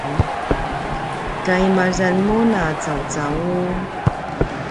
kaimazan mun a caucau?